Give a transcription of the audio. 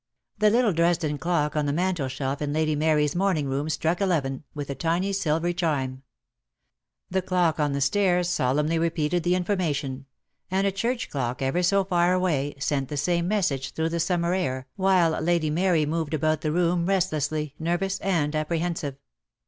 DEAD LOVE HA.S CHAINS, 17 I The little Dresden clock on the mantelshelf in Lady Mary's morning room struck eleven, with a tiny silvery chime; the clock on the stairs solemnly repeated the information; and a church clock, ever so far away, sent the same message through the summer air, while Lady Mary moved about the room restlessly, nervous and apprehen sive.